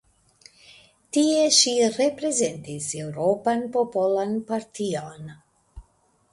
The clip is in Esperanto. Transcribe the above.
Tie ŝi reprezentis Eŭropan Popolan Partion.